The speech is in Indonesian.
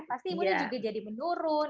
pasti imunnya juga jadi menurun